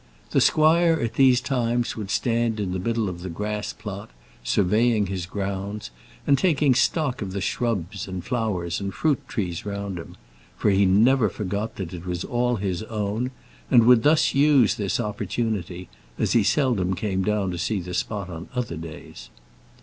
The squire at these times would stand in the middle of the grass plot, surveying his grounds, and taking stock of the shrubs, and flowers, and fruit trees round him; for he never forgot that it was all his own, and would thus use this opportunity, as he seldom came down to see the spot on other days.